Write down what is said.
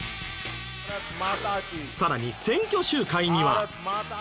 さらに選挙集会には。